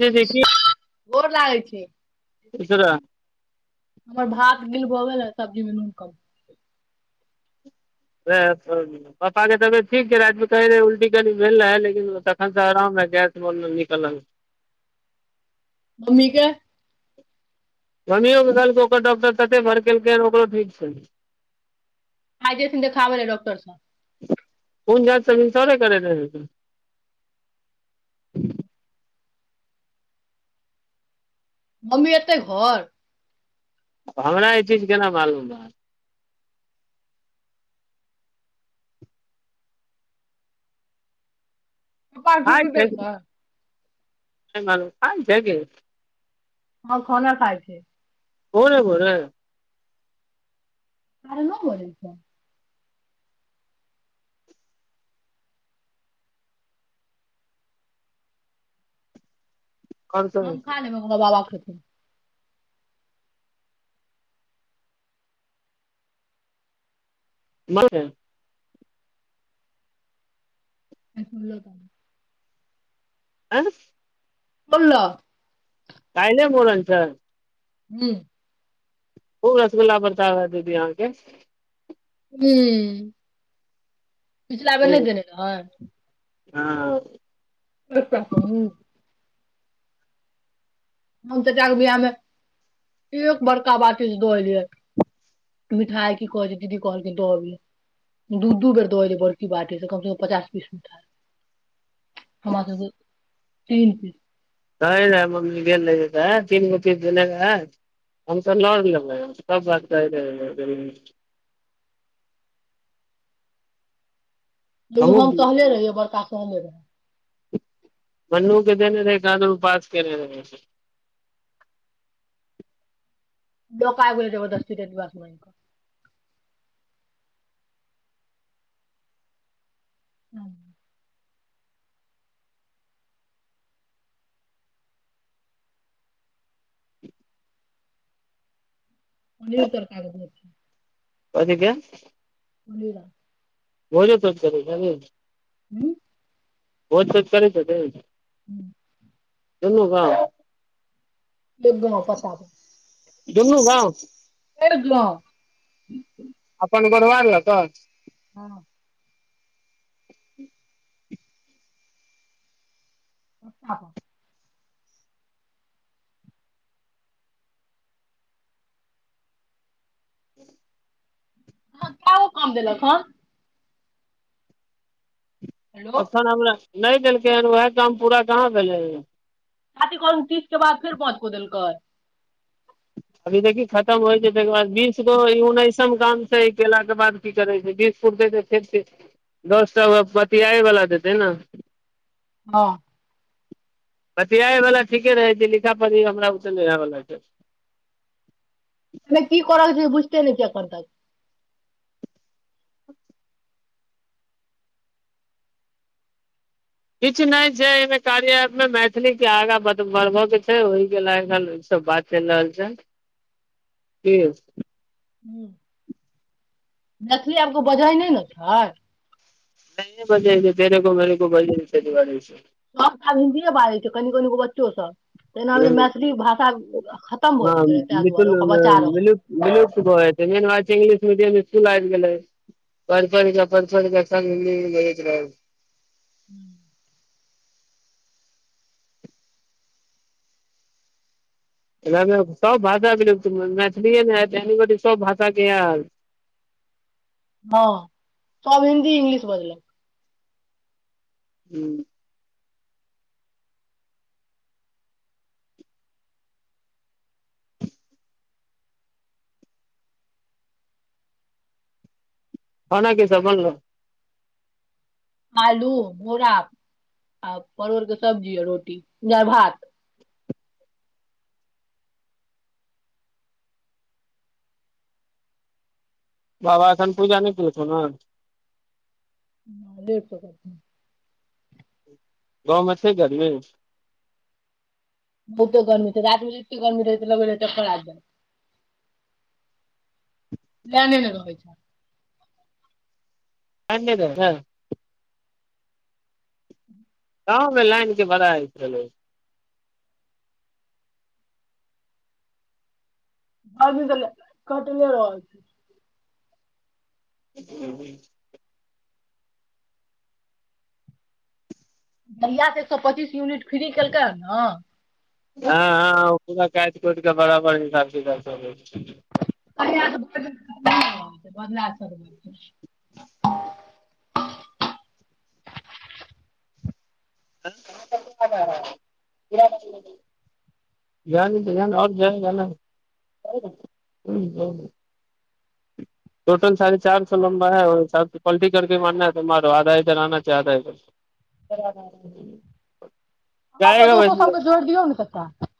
देख गोर लागै छी उसरा हमर भात गिल भऽ गेल है, सब्जी मे नून क पापा के तबियत ठीक छै, रति मे कहै रह उल्टी कनि भेल रहै लेकिन तखनसँ आराम रह गैस बो निकलल। मम्मी के गमिओमे कहलकै ओकर डॉक्टर तते भर केलकै ह ओकरो ठीक छै ह जेय सध खााबलै ॉक्टरसँ कोन जात सरे करै रह ह्म मम्मी एत घर हमरा ई चीज केना मालूम तपान छूटू देल त माल काल जगे हमर खनाा खा छै बरे बोर तारे ओ बोलै छै आओर हम सब खान ल म बाबा [unintelligible] ब नहि सुनलहु त आँ बोनल कहि नहि बोलल स ही ओ रसगुल्ला बता है दीदी अहाँके हू पचलाबे नहि खूब देने रहै हँ अछा ह हम चचा के बिियाह मे एक बड़का बात ची दोलियै मिठाई की कहै छै दीदी कहलखिन दब दू दू बेर द बड़की बाटे से कम से कम पचास पीस मिठाई हमरा सब तीन पीस नहि मम्मी गेल रह तऽ तीन गो पीस गेलै हम तऽ ल लेबै सब बात लग हमहूँ हम टहले रहियै बड़का क रह बनू के जेने रहै कदरू पास करै रह छै डोका आग गेल ज ब दस्त त द बसमे हँ पनीर तर कागज हो छै ओतिक [unintelligible] बल रह बोजे तो करैब ह बहुज तज करै छै त ह्म [unintelligible] दुनू कह दुगम पता प जमन गव खलहु बनब ल तऽ हँ [unintelligible] अछा [unintelligible] ई ह केगो काम देलक हँ हेलो अखान हमला नहि देलकै हन वएह काम पूरा कहाँ भेलै छात कम तीस के बाद फेर पद को देलकर अभी देखही खतम होइ छै ताहिकर बाद बीस गो ई उन्नैसम गामसँ ई कयलाके बाद की करै छै बीस कुटतै तऽ फेर दस टा बतियाएवला देतै ने हँ बतआे बालला ठीके रहै छै लिखा पड़ी हमरा ओत लला मकी कर छै बुझतै न किय करत किछु नहि छै एहिमे कार्यमे मैथिलीके आगाँ बढ़बयके छै ओहिके ल ह ईसभ बात चलि रहल छै की ह्म मैथिली आबके बझै नहि ने छै नहि मजा छै पर कोो मेरेगो बजी छै दिवारी छै सबठा हिन्दीए बाजै छै कनि कनगो बच्चो सब तनामे हूँ मैथिली भाषा खतम भऽ हँ जेतै ने ताहि दुआरे ओकरा मिुलिलु बचा रहल विलुप्त ग ब इंग्लिश मीडियम स्कुल आबि गेले पढ़ढ़ढ़ ह्म सब भाषा मैथिलीए ने हय सब भाषाके यार हँ सभ हिन्दी इंग्लिश बजलक ह्म हन कीस बन आलू बोरा आ परोड़के सब्जी ह रोटी नहि भात बाबा एथन पूजा नहि कैथौ ने न लेप करत गाँमे छै गर्मीमे बहुते गर्मी छै रामे एते गर्मी रह लगड़ जा लएने ने रहै छै सनद ह ह [unintelligible] कमे लीक बादाक रहलल बाजी त कटने रह ह [unintelligible] बढ़आासँ एक सए पच्चीस यूनिट फ्री केलकै ह ने। हँ, हँ, ओ पूरा काटि कुट क बराबर हिसाब काब चलै छै। [unintelligible] जानी त जान [unintelligible] आओर जायगा न ोटल साढ़े चार सए लम्बा है, प्वल्टी करके मारना हर आधा हजार आना छै आधा हजार सब दोसो सबके जोड़ि दियौ ने तऽ ता [unintelligible]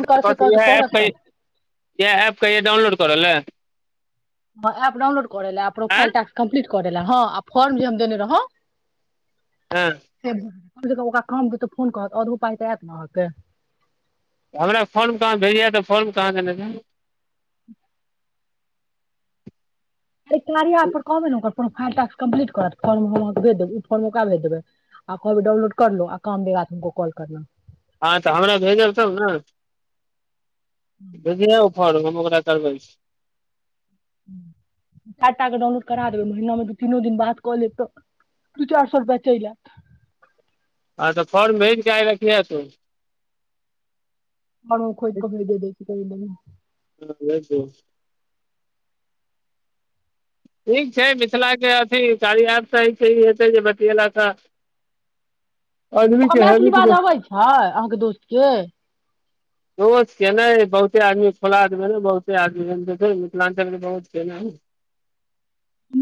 इह प करतै करतै करत कह तब इह प क डाउनलोड तरलै हँ, एप डउनलोड कर ला, प्रोफाइल टास्क कम्पलिट कर ला, हँ, आ फर्म जे हम देनी रह हँ [unintelligible] क ओकरा काम दे तऽ फोन कहत आओर ओ पाइ तऽ आयत नह के हमरा फोर्म कह अाँ भेजहत, तऽ फोर्म कह अहाँके नहि द किनारी आ पर कन अपन फाइ टास्क कम्प्लीट करत फॉर् हमाँके भे देब ओ फॉर्मे ओकरा भे देब आ कहबै डाउनलोड करहुँ आ काम देगाऽ हमो कॉल करलँ। हँ तऽ हमरा भऽ भेजल तब ने। ब हर होमग्रा करबै डाटाके डाउनलोड करा देबै महीनामे दू तीनो दिन बाद कऽ लेब तऽ दू चारि सए रुपैआ चलि आयत। हँ तऽ फॉर्न भेज के आयगा कि तू। बनखो एक क भी दे द। ब। हँ ल छ ठीक छै मिथिलाके अथी कारी आार सही छै ई हेतै जे बतेलक हऽ मैथिली बाज अबैत छै अहाँके दोस्तके। बहुत केना ह बहुते आदमी खोला आदम बहुते आदमी देख मिथिलाञ्चल के बहुत केना ह।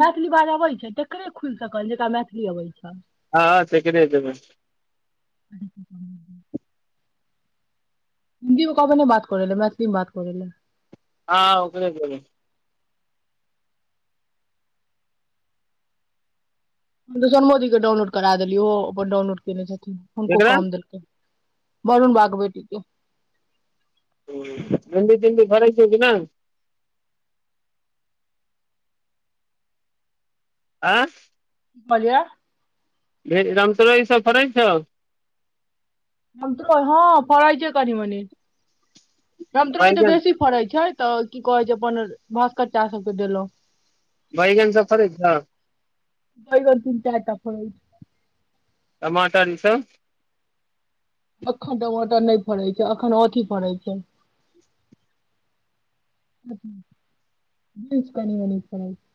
मैथिली बाज अबै छै तकरे खुलि सकल जेकरा मैथिली अबै छै। हँ सेकड जमेै। हिन्दी मे कबै नहि बात करै ले मैथिलीमे बात करै लए। हँ उगै। सन मोदी के डाउलोड करा देलियै ओ अपन डाउनलोड केने छथि। हको केकरा काम दिलक। बनन बागबैटै त। गन्दी तडी करै छै कि नहि। आँ। बलिआ भे रामचर इसभ फड़ै छह। हम तो हँ पड़इ छै कनिी मनी। गम तरो तऽ बैगन बेसी फड़ैत छै। तऽ की कहै छै अपन भास्कर चा सबके देलहुँं। बैगन सब फरै छअ? बैगन तीन चार का फरै छै। टमाटर इ सब। अखन टमाटर नहि फरे छै अखन औथी फरे छै बीन्स कनी मनी फरे छै।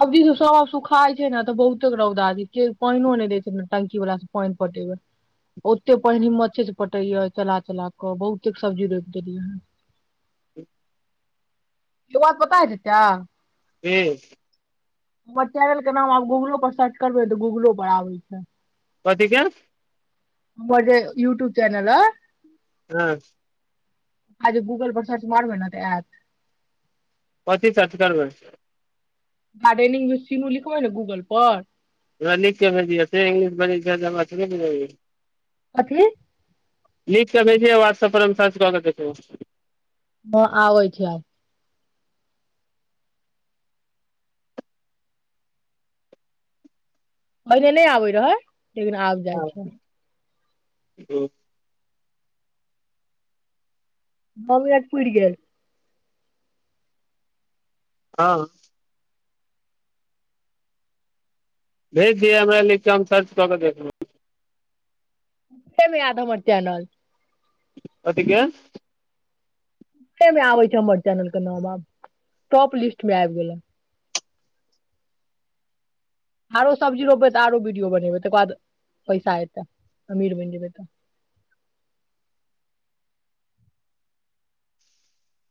सब्जी त सब आब सुखााय छै ने तऽ बहुते रौदा के पानिो नहि दै छै ने टंकी वालास से पानि पटेबै ओते पानि हिम्मते से पटेय चला चला कऽ बहुते सब्जी रोपि देलियै ह ई बात पता छै तै ह हमर चैनल के नाम आब गूगलो पर सर्च करबै तऽ गूगलो पर आबै छै। कथिक। हमर जे यूट्यूब चैनल अय। हँ आ जे गूगल पर सर्च मारबै ने तऽ आयत। कथी सर्च करबै? गार्डेनिंग विथ शीनू लिखबै ने गूगल पर। आहाँ लिख के भेजयो त इंग्लिश में लिखल छै हमरा त नहि बुझल अछि। कथी? लिख कऽ भेजिए छै व्हाट्सअप परर हम सर्च कऽ क देखब। हँ आबै छै आब। पहिले नहि आबै रहै। लेकिन आब जाइ छै। ओ नौ मिनट पूरि गेल। हँ भेज दिय हमरा लिख क हम सर्च कऽ के देखबै। नीचे मे आयत हमर चैनल। कथीके? ते मे आबै छै हमर चैनल के नाम आब टॉप लिस्ट मे आबि गेले। आरो सब्जी रोपबै तऽ आरो बीडियो बनेबै तकर बाद पैसा एतै अमीर बनि जेबै तब।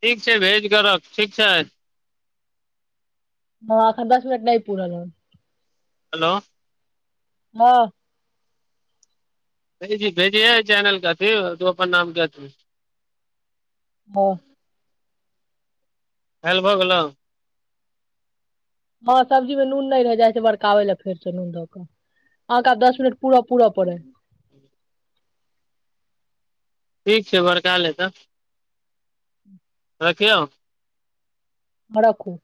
ठीक छै भेज कर रख ठीक छै। हँ अखनि दस मिनट नहि पूरल हन्। हेलो हँ भेजी जी भेजेहये चैनल के अथी तू अपन नाम के अथी। ह खायल भऽ गेलो? हँ सब्जी मे नून नहि रहि जाइ छियै बरकाबै लए फेरसँ नून दऽ कऽ अहाँके आब दस मिनट पूरा पूरा पड़ै है। ठीक छै बड़का ल हे तऽ। रखियौ? हँ रखू।